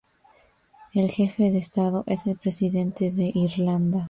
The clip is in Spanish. El Jefe de Estado es el Presidente de Irlanda.